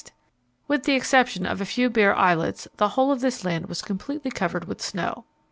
With the exception of a few bare islets, the whole of this land was completely covered with snow.